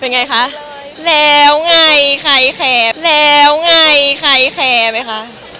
เป็นไงคะแล้วไงใครแคบแล้วไงใครแคร์ไหมคะ